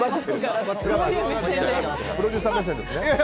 プロデューサー目線ですね。